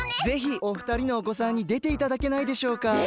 ぜひお二人のおこさんにでていただけないでしょうか？